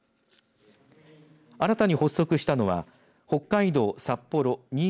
新たに発足したのは北海道・札幌２０３０